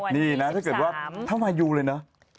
นี่นะถ้าเกิดว่าถ้ามายูเลยนะ